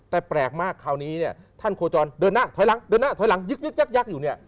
แต่แปลกมากคราวนี้ท่านโฆจรเดินหน้าถอยหลังยึกอยู่